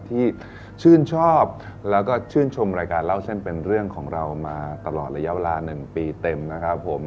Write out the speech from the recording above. ที่ชื่นชอบแล้วก็ชื่นชมรายการเล่าเส้นเป็นเรื่องของเรามาตลอดระยะเวลา๑ปีเต็มนะครับผม